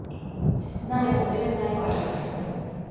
Նա հայտնագործել է նաև առաջին արեգակնային ժամացույցը (գնոմոն)։